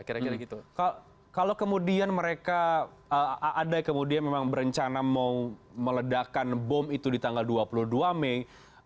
kalau kemudian mereka ada kemudian memang berencana mau meledakan bom itu di tanggal dua puluh dua mei